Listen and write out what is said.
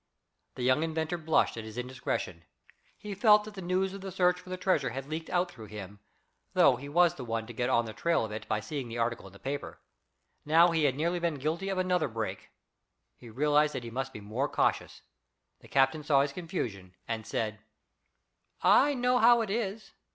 The young inventor blushed at his indiscretion. He felt that the news of the search for the treasure had leaked out through him, though he was the one to get on the trail of it by seeing the article in the paper. Now he had nearly been guilty of another break. He realized that he must be more cautious. The captain saw his confusion, and said: "I know how it is.